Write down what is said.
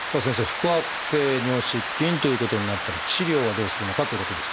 腹圧性尿失禁ということになったら治療はどうするのかということですが。